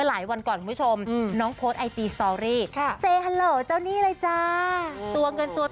ใช่คุณผู้ชมบอกเลยเลขทะเบียนบ้านเหมือนกัน